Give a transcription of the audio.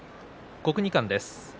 国技館です。